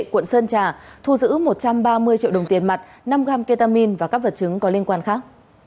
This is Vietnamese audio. quận sơn trà thu giữ một trăm ba mươi triệu đồng tiền mặt năm gram ketamin và các vật chứng có liên quan khác